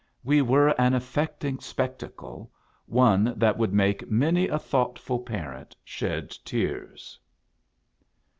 We were an affecting spectacle, — one that would make many a thoughtful parent shed tears.